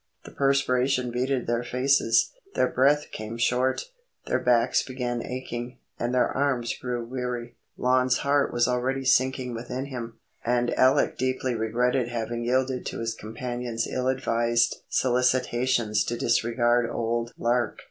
The perspiration beaded their faces, their breath came short, their backs began aching, and their arms grew weary. Lon's heart was already sinking within him, and Alec deeply regretted having yielded to his companion's ill advised solicitations to disregard old Lark.